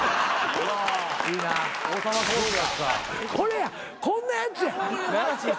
これやこんなやつや。